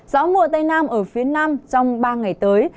gió mùa tây nam ở phía nam trong ba ngày tới